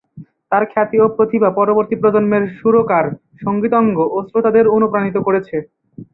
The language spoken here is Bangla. তার খ্যাতি ও প্রতিভা পরবর্তী প্রজন্মের সুরকার, সঙ্গীতজ্ঞ ও শ্রোতাদের অনুপ্রাণিত করেছে।